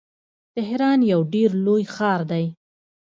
تهران یو ډیر لوی ښار دی.